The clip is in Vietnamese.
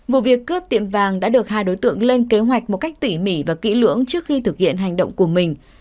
vụ việc cướp tiệm vàng đã được hai đối tượng lên kế hoạch một cách tỉ mỉ và kỹ lưỡng trước khi thực hiện hành động của mình